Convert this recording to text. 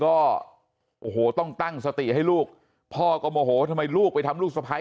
ก็โอ้โหต้องตั้งสติให้ลูกพ่อก็โมโหทำไมลูกไปทำลูกสะพ้าย